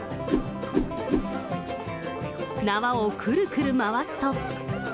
縄をくるくる回すと。